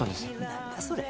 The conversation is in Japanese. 何だそれ。